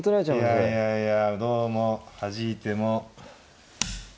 いやいやいやどうもはじいても。